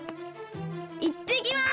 いってきます！